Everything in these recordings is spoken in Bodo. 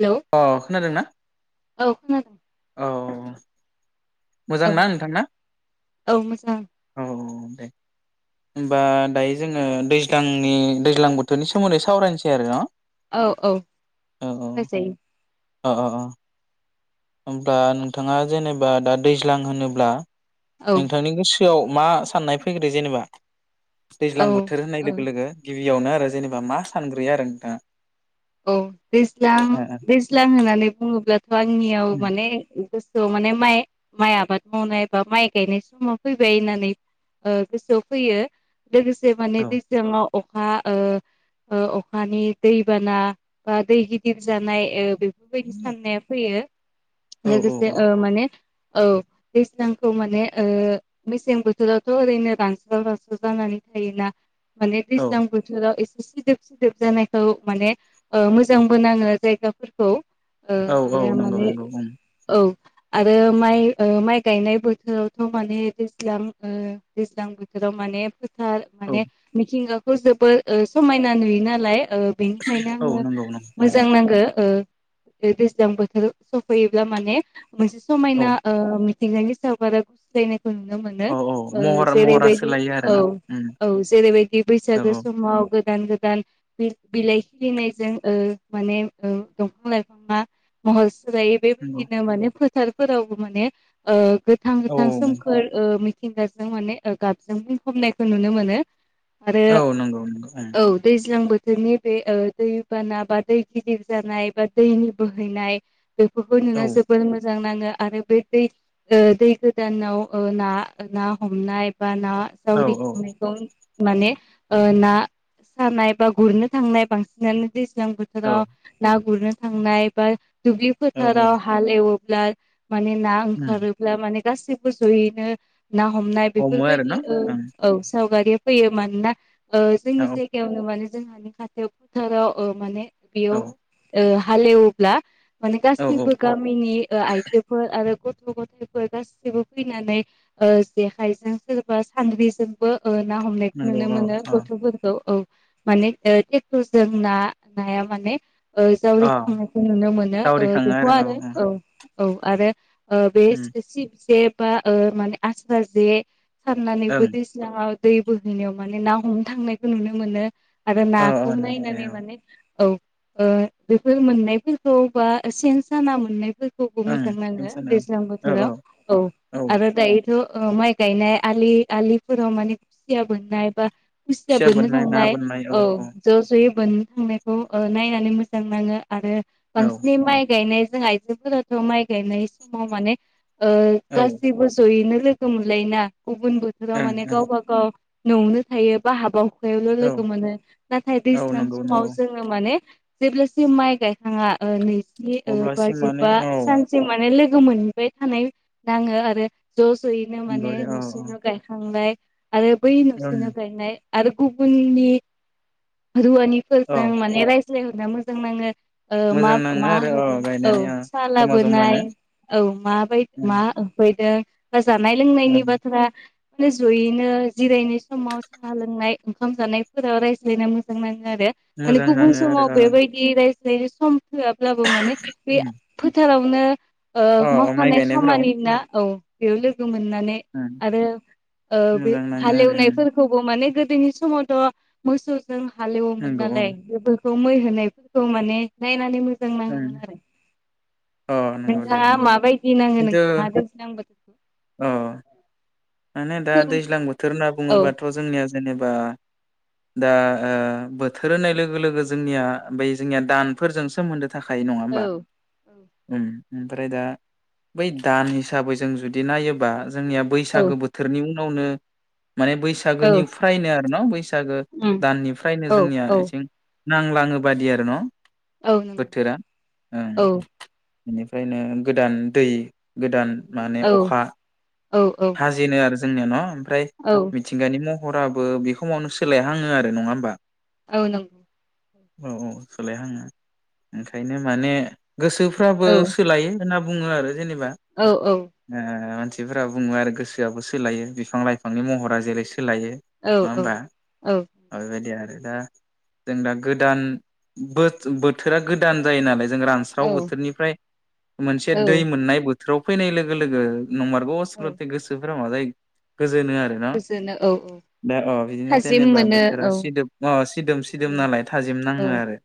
हेलौ अ खोनादों ना? औ खोनादों। औ। मोजां औ ना नोंथाङा औ मोजां औ। दे होमबा दायो जोङो दैज्लांनि दैज्लां बोथोरनि सोमोन्दै सावरायनोसै आरो न'। औ औ औ सावराय जायो। अ अ अ। होमबा नोंथाङा जेनेबा दा दैज्लां होनोब्ला औ नोंथांनि गोसो सिआव मा साननाय फैग्रोयो जेनेबा? औ दैज्लां बोथोर होननाय लोगो लोगो गि गिबियावनो आरो जेनेबा मा सानग्रोयो आरो नोंथाङा? औ दैज्लां दैज्लां होननानै बुङोब्लाथ' आंनि आव माने गोसोआव माने माइ माइ आबाद मावनाय बा माइ गायनाय समा फैबाय होननानै ओ गोसोआव फैयो। लोगोसे माने ओ दैज्लाङाव अखा ओ ओ अखानि दैबाना बा दै गिदिर जानाय ओ बे बै साननाया फैयो। औ औ लोगोसे ओ माने औ दैज्लांखौ माने ओ मेसें बोथोरावथ' ओरैनो रानस्राव रानस्राव जानानै थायोना माने औ दैज्लां बोथोराव एस सिदोब सिदोब जानायखौ माने ओ मोजांबो नाङो जायगाफोरखौ। ओ औ औ आरो औ नंगौ माने नंगौ उम औ। आरो माइ ओ माइ गायनाय बोथोरावथ' माने दैज्लां ओ दैज्लां बोथोराव माने फो थार औ माने मिथिंगा खौ जोबोद ओ समायना नुयो नालाय ओ बेनिखायनो औ आङो नंगौ नंगौ उम मोजां नांगो ओ बे दैज्लां बोथोर सफैयोब्ला माने मोनसे औ समायना ओम थिंगानि [unintelligible] बो नुनो मोनो औ औ ओ महर महरा जेरैबायदि सोलायो आरो औ न उम औ जेरैबायदि औ बैसागो औ समाव गो गोदान गोदान बि-बिलाइ खिलिनायजों ओ माने ओ दंफां लाइफांया महस सोलायो नंगौ बेबायदिनो माने फो थारफोरावबो माने ओ गोथां औ गोथां सोमखोर ओ मि थिंगाजों माने ओ गाबजों बुंफबनायखौ नुनो मोनो। आरो औ नंगौ नंगौ औ दैज्लां बो जोंनि बे ओ दै बाना बा दै गिदिर जानाय बा दैनि बोहैनाय बेफोरखौ नुना ओं जोबोर मो जां नाङो आरो बे दै ओ दै गोदानाव ओ ना-ना हमनाय बा ना औ जावरिखांनायखौ माने ओ ना सानाय बा गुरनो थांनाय बांसिनानो सिगां औ बोथोराव ना गुरनो थांनाय बा दुब्लि औ औ फोथाराव हाल एव ब्ला माने ना उम ओंखारोब्ला माने गासैबो जयैनो ना हमनाय हमो आरो न बेफोरबायदि ओ ओं औ सावगारि फैयो मानोना ओ औ जोंनि जायगायावनो माने जोंहानि खाथियाव फोथाराव ओ माने औ बेयाव ओ हालेवोब्ला माने औ औ गासैबो गामिनि ओ आइजोफोर आरो गथ गथ गथायाइफोर गासिबो फैनानै जेखाइजों सोरबा सान्द्रिजोंबो ओ ना हमनायखौ नंगौ नुनो औ मोनो औ गथफोरखौ औ माने [inaudible] जों ना नाया माने अ जावरिखांनायखौ नुनो मोनो बेखौ आरो औ औ आरो। बे उम सिब जे। बो ओ माने आब जे साननानै ओं बदिसिना दै बोहैनायाव माने ना हमनो थांनायखौ नुनो मोनो आरो अ नााखौ अ नंगौ दे नायनानै औ माने औ बेफोर मोननायफोरखौ बा सेन साना मोननाय बो ओं मोजां बेखौनो नाङो सानो दैज्लां औ बोथोराव औ आरो दायो ओ माइ गायनाय आलि आलिफोराव माने खुसिया बोननाय बा खुसिया बोननो थांनाय औ ज जयै बोन्नो थांनाय नायनानै मोजां नाङो। आरो औ बांसिन माइ गायनाय जों आइजोफोराथ माइ गायनाय समाव माने ओ ओं गासिबो जयैनो [inaudible] उगोन बस्र मान ओं गाव बा गाव। नआवनो थायो बा हाबाव औ लोगो मोनो नाथाय औ दैजां नंगौ समाव नंगौ जों माने जेब्लासिम माइ गायखाङा ओ अब्लासिम माने बाजिबा औ सानसे माने लोगो लोगो मोनबाय थानाय नाङो आरो। ज जयैनो नंगौ माने दे औ औ नसेनो गायखांलाय। आरो बै ओं नुसिनिफ्रायनो आरो गुबुननि अ जों माने रायज्लाय नो मोजां नाङो। मा मोजां नाङो मा आरो अ होदों औ गायनानै अ साहा जमा लाबोनाय जमानो औ माबा ओं मा होफैदों जानाय लोंनायनि ओं बाथ्रा जयैनो जिरायनाय समाव साहा लोंनाय ओंखाम जानायफोराव रायज्लायनो मोजां नाङो आरो। माने मोजां गुबुन नाङो समाव आरो ओ बेबायदि। बेनो सम। होआब्लाबो माने बे उम फोथाराव। ओनो अ ओ अ माइ मावफानाय गायनायफोराव खामानि ना औ बियो लोगोमोन। नुनानै ओं आरो ओ बे मोजां नाङो आरो ओं हालेवनायफोरखौबो माने गो दोनि समावथ' मोसौ जों हालौयोमोन नंगौ नाल औ नै गोबो खौ मै होनायफोरखौ माने नायनानै मो मोजां ओं नाङोमोन आरो अ नंगौ दे नोंथाङा नंगौ माबायदि नाङो खिन्थु नोंथाङा दैज्लां बोथोरखौ अ माने दा फोर दैज्लां बोथोर होनना औ बुङोब्लाथ' जोंनिया जेनेबा दा ओ बोथोर होनाय लोगो लोगो जोंनिया बै जोंनिया दानफोरजों सोमोन्दो थाखाय नङा औ होमबा ओम ओमफ्राय दा बै दान हिसाबै जों जुदि नायोबा जोंनिया बै औ बैसागो बोथोरनि मुं नावनो माने औ बैसागोनिफ्रायनो आर न' बैस सागो उम दाननिफ्रायनो औ जोंनिया औ एथिं नांलाङो बादि आरो न' औ नंगौ बोथोरा ओं औ बेनिफ्रायनो गोदान दै गोदान औ औ औ बेनो आरो जोंनिया न' फ्राय औ मिथिंगानि मुं हराबो बेखमावनो सोलायहाङो आरो नङा होमबा? औ नोंग औ औ सोलायहाङो ओंखायनो माने गोसोफ्राबो औ सोलायो। होनना बुङो आरो जेनेबा औ औ थिफोरा बुङो आरो गोस सोआबो सोलायो बिफां लाइफांनि महरा जेरै सो सोलायो औ नङा होमबा ओ बे बायदि आरो। दा जों दा गोदान बोथ-बोथोरा गोदान जायो नालाय जों रानस्राव औ बोथोरनिफ्राय मोनसे औ दै मोननाय बो फोराव फैनाय लोगो लोगो नंमारगौ औ आसलते गो [unintelligible] गोजोनो आरो ना गोजोनो औ औ दा अ बिदिनो थाजिम जेनेबा मोनो बोथोरा औ सिदोब अ सिदोम सिदोम औ नालाय थाजिम औ नाङो आरो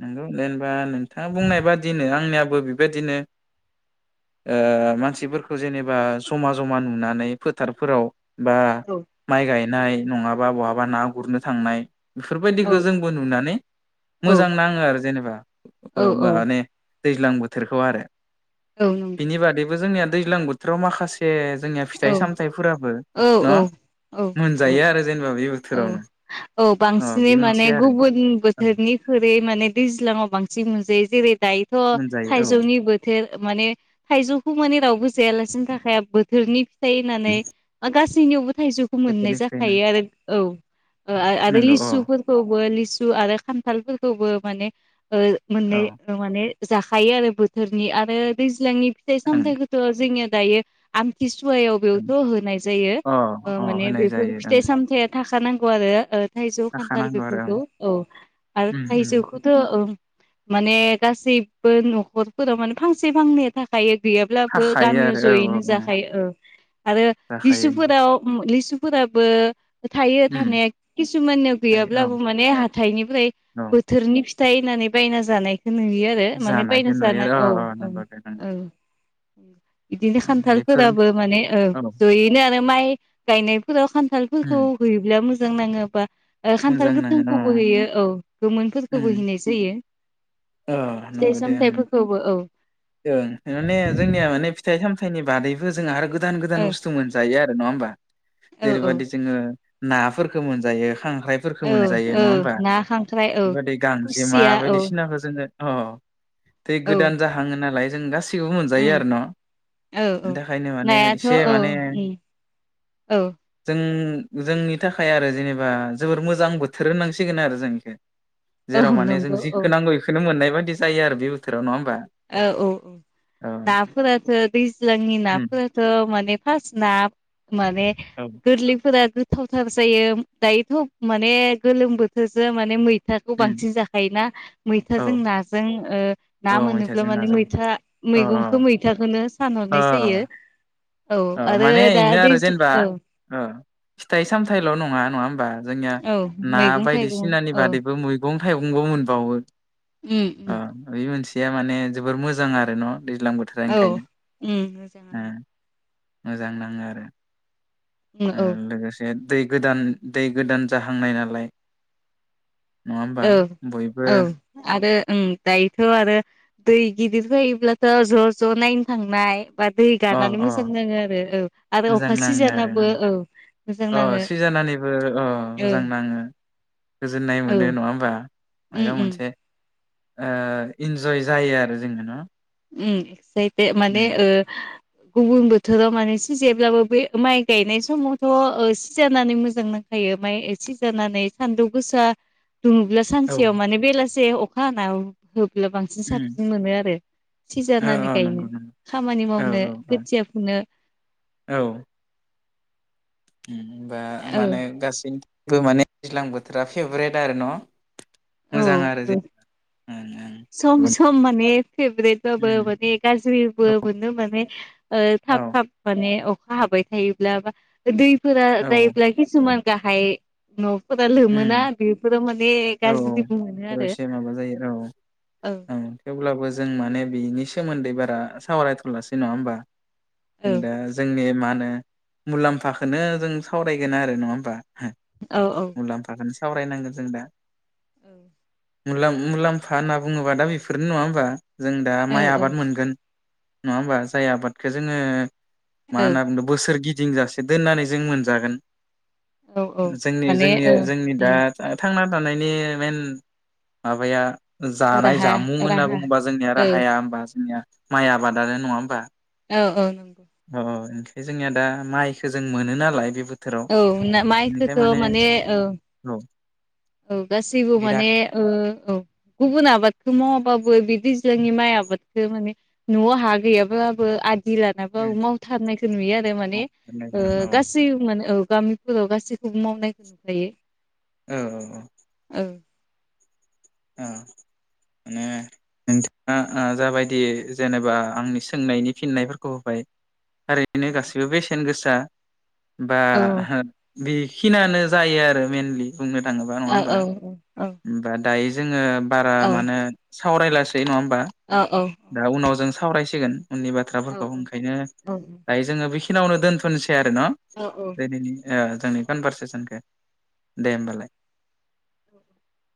नंगौ [unintelligible] आ नोंथाङा बुंनाय बादिनो आंनियाबो बेबायदिनो ओ मानसिफोरखौ जेनेबा जमा जमा नुनानै फोथारफोराव बा औ माइ गाय नाय नङाबा बहाबा ना गुरनो थांनाय औ बेफोरबायदिखौ जोंबो नुनानै औ मोजां नाङो आरो जेनेबा औ [unintelligible] औ माने दैज्लां बोथोरखौ आरो। औ नंगौ बिनि बादैबो जोंनिया दैज्लां बोथोराव माखासे ए जोंनिया औ फिथाइ सामथाइफोराबो औ न औ औ नंगौ मोनजायो आरो जेनेबा बे बो औ औ बांसिनै माने आरो गुबुन औ बोथोरनिख्रुइ माने दैज्लाङाव बांसिन मोनजायो जेरै दा थ मोनजायो औ थाइजौनि बोथोर माने थायजौखौ माने रावबो जायालासिनो थाखाया बो थोरनि थाइ होनानै आ गास सिनियावबो थाइजौखौ मोननाय बोथोरनि फिथाइ जाखायो आरो औ आ आरो नंगौ औ लिसुफोरखौबो लिसु आरो खान्थाल फोरखौबो माने ओ मोननै औ माने जाखायो आरो बोथोरनि आरो दैज्लांनि फिथाइ ओं सामथाय खौथ जोंनिया दायो आमथि सुवायाव ओं बेयावथ' होनाय जायो अ ओ अ माने होनाय बेफोर जायो ओं फिथाइ सामथाय थाखा नांगौ आरो ओ थाइजौ खान्थाल थाखानांगौ आरो ओं बेफोरखौ औ आरो उम उम थाइजौखौथ' औ। माने गासैबो न'खरफोराव माने फांसे फांनै थाखायो। गैयाब्लाबो थाखायो गामियाव आरो औ औ जयैनो औ जाखायो ओ आरो जाखायो लिसुफोराव उम लिसु फोराबो थायो उम थानाया किसुमाननियाव जायो औ गैयाब्लाबो माने हाथाइनिफ्राय औ बोथोरनि फि थायनानै बायना जानाय नुयो आरो माने जानायखौ बायनासो नुयो जाना आरो औ अ अ औ औ। नंगौ दे उम। बिदिनो नंगौ बेफोर खान्थालफोराबो माने ओ औ ज'यैनो आरो। माइ गायनायफोराव खान्थाल औ उम हैयोब्ला मोज जों नाङोबा खान्थाल मोजां नाङो अ गोथांखौबो होयो औ गोमोनफोरखौबो उम हैनाय जायो। अ फिथाइ नंगौ दे ओम सामथाइफोरखौबो औ ओं माने जोंनिया माने फिथाइ साम [unintelligible] बादैबो जों आरो गोद गोदान गोदान ओ बुस्थु मोनजायो। नङा होबा औ जेरै औ बादि जोङो। नाफोरखो मोनजायो। खांख्रायफोरखौ मोनजायो औ औ नङा होमबा ना खांख्राइ औ बेबायदि गांजेमा खुसिया औ बायदिसिनाफोर अह दै औ गोदान जाहाङो नालाय जों गासैखौबो मोनजायो उम आरो न' औ औ बेनि थाखायनो माने नायाथ' एसे औ माने उम औ जों जोंनि थाखाय आरो जेनेबा जोबोर मोजां बोथोर होननांसिगोन आरो जों इखो। औ जेराव माने जों नंगौ औ जिखौ नांगौ इखो मोननाय बादि जायो आरो बे बोथोराव नङा होमबा? औ औ औ औ नाफोराथ' दैज्लांनि उम नाफोराथ' माने फार्स्ट ना माने औ गोरलिफोरा थावथार जायो दायोथ' माने गोलोम बोथोरजों माने मै थाखौ उम बांसिन जाखायो ना मैथाजों औ नाजों ओ ना औ मोनोब मैथाजों माने नाजों मैथा अ मैगंखौ मैथाखौनो ओ सानहरनाय जायो। औ ओ आरो माने दा इनो आरो जेनेबा औ ओ फिथाइ सामथाइल' नङा नङा होमबा? जोंनिया औ ना मैगं थाइगं बायदिसिनानि औ बादैबो मैगं थाइगंबो मोनबावो उम उम आ बेबो मानस या माने जोबोर मोजां आरो न दैज्लां बोथोरा औ ओंखायनो उम ओ मोजाङानो मोजां नाङो आरो उम औ आरो लोगोसे दै गोदान दै गोदान जाहांनाय नालाय नङा होमबा बयबो उम दायोथ आरो दै गिदिर फैयोब्लाथ ज ज नायनो थांनाय बा दै अ गानानै अ मोजां नाङो आरो औ आरो मोजां अखा नाङो आरो सिजानाबो औ मोजां अ नाङो सिजानानैबो अ औ मोजां नाङो गोजोननाय औ मोनो नङा होमबा उम माइबा उम मोनसे ओ इन्जय जायो आरो जोङो ना। ओम इक्स माने ओ गुबुन बोथोराव माने सिजेब्लाबो बे माइ गायनाय समावथ' ओ सिजानानै मोजां नांखायो माइ सिजानानै सानदुं गोसा दुङोबब्ला औ सानसेयाव माने बेलास से अखा ना हो बोला बांसिन उम साबसिन मोनो आरो औ सिजानानै औ गायनो नंगौ नंगौ खामानि औ मावनो औ औ खोथिया फुनो बा औ माने गासै माने दैज्लां बोथोरा फेभ्रेट आरो न। मोजां आरो औ जे ओं सम ओं सम माने फेभ्रेट बाबो उम माने गाज्रिबो मोनो माने ओ थाब औ थाब माने खा हाबाय थायोब्ला बा दै फोर औ जायोब्ला खिसुमान गाहाय न फोरा लोमो ना उम बेफोराव माने औ गाज्रि बो मोनो बेफोराव आरो एसे औ अब्लाबो जों माने बिनि सोमोन्दै बारा सावरायथलासै नङा होमबा। जों दा जोंनि मा माने मुलाम्फाखोनो जों सावरायगोन आरो नङा होमबा औ मुलामफाखोनो सावरायनांगोन जों दा। औ मुलाम-मुलाम्फा होनना बुङोबा दा बेफोरनो नङा होमबा? जों दा माइ औ आबाद मोनगोन, नङा होमबा जाय आबादखौ जोङो मा औ होनना बुंदों बोसोर गि- दिंजासे दोननानै जों मोनजागोन। औ औ जोंनि माने जोंनि औ जोंनि दा थांन थांना दानायनि मेइन माबाया जानाय राहा जामुं होनना राहा बुङोबा जोंनिया औ राहाया होमबा जोंनिया माइ आबादानो नङा होमबा? औ औ नंगौ अ ओंखाय जोंनिया दा माइखौ जों मोनो नालाय बेबो औ माइखौथ' माने ओ औ औ गासैबो माने बिराद ओ औ गुबुन आबादखौ मावाबाबो बिदि जोंनि माइ आबादखौ माने न'आव हा गैयाब्लाबो आद दि लानाबाबो मावथारनायखौ नुयो आरो माने औ ओ औ गासै माने औ गामिफोराव गासैखौबो मावनायखौ नुखायो। औ-औ-औ औ ओ माने नोंथाङा जाबायदि जेनेबा आंनि सोंनायनि फिननायफोरखौ होबाय ओरैनो गासिबो बेसेन गोसा दा बा औ बेखिनियानो जायो आरो मेइनलि बुंनो थाङोबा नङा औ होमबा औ औ होमबा दायो जोङो बारा औ माने सावरायलासै नङा होम औ औ दा उनाव जों सावरायसिगोन उननि बाथ्राफोरखौ औ ओंखायनो औ दायो जोङो बे खिनावनो दोनथनोसै आरो ना औ दिनैनि ओ जोंनि कनभारसेसनखौ दे होमबालाय। [inaudible]